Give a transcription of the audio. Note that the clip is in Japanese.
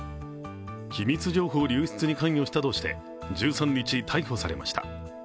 機密情報流出に関与したとして、１３日、逮捕されました。